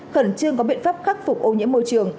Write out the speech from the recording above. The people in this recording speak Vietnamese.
khẩn trương có biện pháp khắc phục ô nhiễm môi trường